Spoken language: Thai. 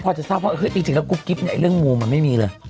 พอแล้วจะทราบกู๊บกิ๊บเรื่องมูลมันไม่มีเลย